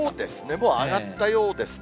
もう上がったようですね。